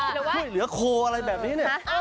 ช่วยเหลือโคอะไรแบบนี้เนี่ย